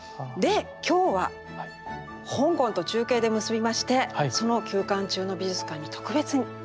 で今日は香港と中継で結びましてその休館中の美術館に特別に。